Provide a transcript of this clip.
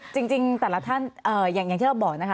จริงแต่ละท่านอย่างที่เราบอกนะคะ